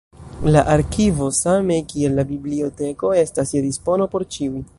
La arkivo same kiel la biblioteko estas je dispono por ĉiuj.